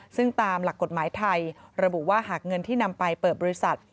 ซึ่งตามหลักกฎหมายไทยระบุว่าหากเงินที่นำไปเปิดบริษัท